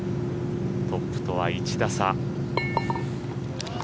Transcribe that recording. トップとは１打差。